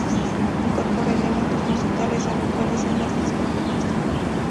Incorpora elementos musicales habituales en las discotecas.